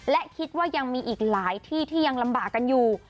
และคิดว่ายังมีอีกหลายที่ที่ยังลำบากกันอยู่